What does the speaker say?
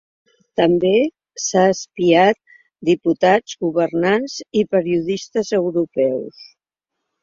També s'ha espiat diputats, governants i periodistes europeus.